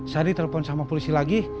sadi telepon sama polisi lagi